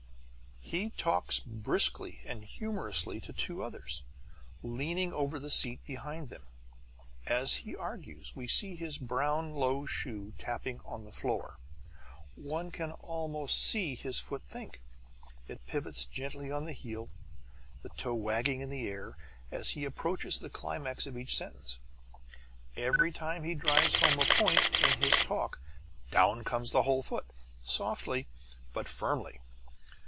He talks briskly and humorously to two others, leaning over in the seat behind them. As he argues, we see his brown low shoe tapping on the floor. One can almost see his foot think. It pivots gently on the heel, the toe wagging in air, as he approaches the climax of each sentence. Every time he drives home a point in his talk down comes the whole foot, softly, but firmly.